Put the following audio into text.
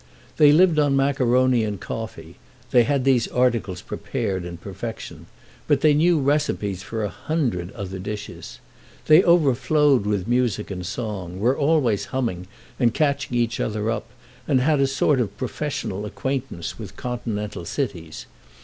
They lived on macaroni and coffee—they had these articles prepared in perfection—but they knew recipes for a hundred other dishes. They overflowed with music and song, were always humming and catching each other up, and had a sort of professional acquaintance with Continental cities.